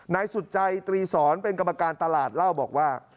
นายสุดใจตรีสอนเป็นกรรมการตลาดเล่าบอกว่า